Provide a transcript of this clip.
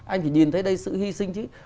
anh chỉ nhìn thấy đây là sự hy sinh chứ